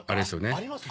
ありますね。